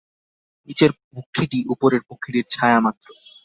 নীচের পক্ষীটি উপরের পক্ষীটির ছায়ামাত্র।